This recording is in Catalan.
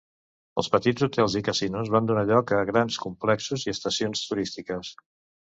Els petits hotels i casinos van donar lloc a grans complexos i estacions turístiques.